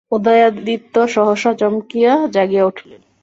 উদয়াদিত্য সহসা চমকিয়া জাগিয়া উঠিলেন।